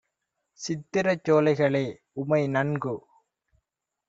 சித்திரச் சோலைகளே! உமை நன்கு